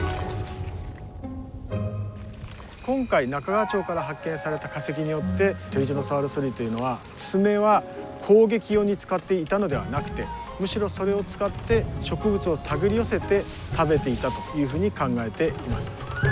今回中川町から発見された化石によってテリジノサウルス類というのは爪は攻撃用に使っていたのではなくてむしろそれを使って植物を手繰り寄せて食べていたというふうに考えています。